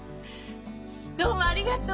どうもありがとう！